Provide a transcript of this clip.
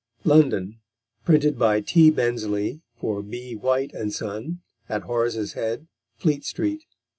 London: Printed by T. Bensley, for B. White and Son, at Horace's Head, Fleet Street.